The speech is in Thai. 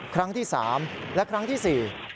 ครั้งที่สามและครั้งที่สี่